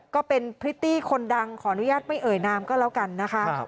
ก็เป็นพริตตี้คนดังขออนุญาตไม่เอ่ยนามก็แล้วกันนะคะ